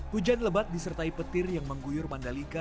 hujan lebat disertai petir yang mengguyur mandalika